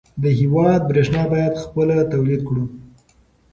د هېواد برېښنا باید خپله تولید کړو.